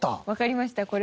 わかりました。